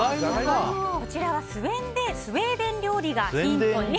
こちらはスウェンデン料理がヒントに。